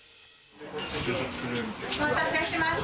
お待たせしました。